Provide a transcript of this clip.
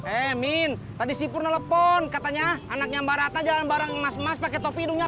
emin tadi sipur telepon katanya anaknya mbak rata jalan bareng emas emas pakai topi hidungnya